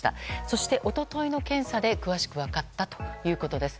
そして一昨日の検査で詳しく分かったということです。